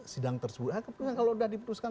sidang tersebut nah kebetulan kalau udah diputuskan